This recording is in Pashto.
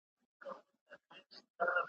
را تاو سوی لکه مار پر خزانه وي `